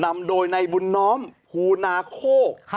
นำโดยในบุญน้อมภูนาโคก